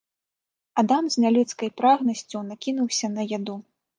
Адам з нялюдскай прагнасцю накінуўся на яду.